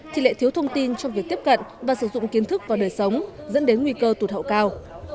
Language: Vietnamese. thì lệ thiếu thông tin trong việc tiếp cận và sử dụng kiến thức vào đời sống dẫn đến nguy cơ tụt hậu cao